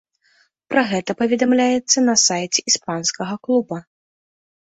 Пра гэта паведамляецца на сайце іспанскага клуба.